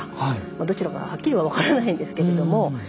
どちらかははっきりは分からないんですけれども。